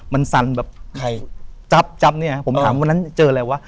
มันสั่นแบบใครจับเนี่ยผมถามวันนั้นเจออะไรวะ